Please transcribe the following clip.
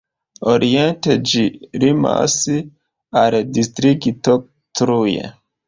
Oriente ĝi limas al distrikto Cluj.